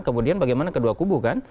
kemudian bagaimana kedua kubu kan